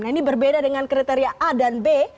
nah ini berbeda dengan kriteria a dan b